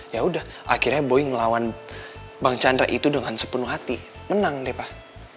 yaudah akhirnya boy ngelawan bang chandra itu dengan sepenuh hati menang deh pak